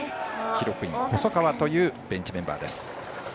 記録員、細川というベンチメンバーです。